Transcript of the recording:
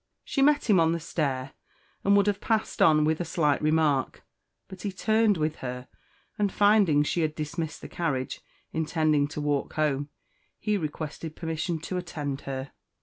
She met him on the stair, and would have passed on with a slight remark, but he turned with her, and finding she had dismissed the carriage, intending to walk home, he requested permission to attend her.